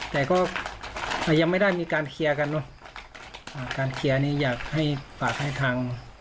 แต่ก็อ่ายังไม่ได้มีการเคลียร์กันเนอะอ่าการเคลียร์นี้อยากให้ฝากให้ทาง